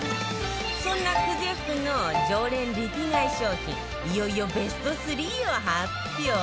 そんな久世福の常連リピ買い商品いよいよベスト３を発表